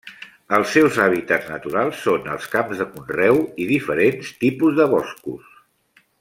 Els seus hàbitats naturals són els camps de conreu i diferents tipus de boscos.